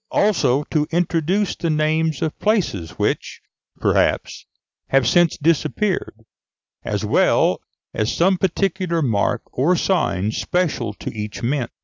also to introduce the names of places, which, perhaps, have since disappeared, as well as some particular mark or sign special to each mint.